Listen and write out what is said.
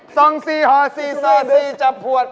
ส่องสี่ฮอสี่สาดสี่จับผัว